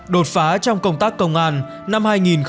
đột phá trong công tác công an năm hai nghìn hai mươi